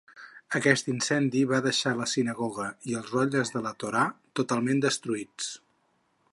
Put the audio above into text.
Aquest incendi va deixar la sinagoga i els rotlles de la Torà totalment destruïts.